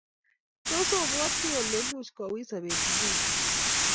Tos ibwatite ole much kouit sopet nguni